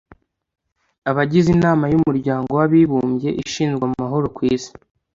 abagize inama y'umuryango w'abibumbye ishinzwe amahoro ku isi,